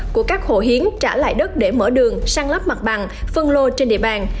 của các hồ hiến trả lại đất để mở đường săn lắp mặt bằng phân lô trên địa bàn